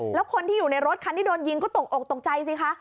แล้วคนที่อยู่ในรถคันที่โดนยิงก็ตกอกตกใจสิคะ